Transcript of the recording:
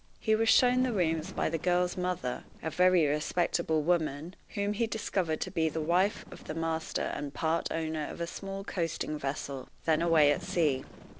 He was shown the rooms by the girl's mother, a very respectable woman, whom he discovered to be the wife of the master and part owner of a small coasting vessel, then away at sea.